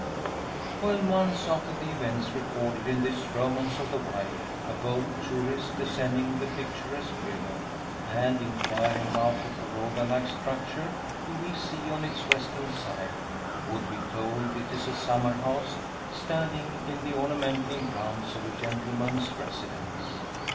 Twelve months after the events recorded in this romance of the Wye, a boat tourist descending the picturesque river, and inquiring about a pagoda like structure he will see on its western side, would be told it is a summer house, standing in the ornamental grounds of a gentleman's residence.